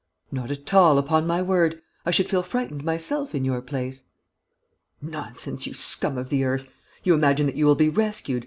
"Not at all, upon my word. I should feel frightened myself, in your place." "Nonsense, you scum of the earth! You imagine that you will be rescued ...